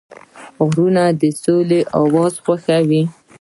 غوږونه د سولې اواز خوښوي